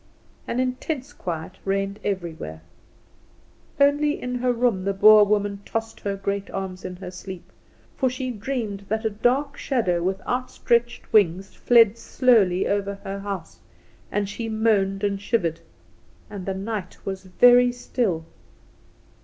An intense quiet reigned everywhere. Only in her room the Boer woman tossed her great arms in her sleep; for she dreamed that a dark shadow with outstretched wings fled slowly over her house, and she moaned and shivered. And the night was very still.